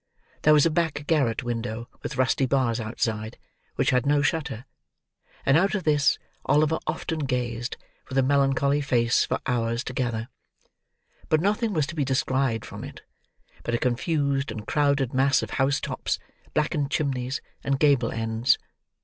There was a back garret window with rusty bars outside, which had no shutter; and out of this, Oliver often gazed with a melancholy face for hours together; but nothing was to be descried from it but a confused and crowded mass of housetops, blackened chimneys, and gable ends.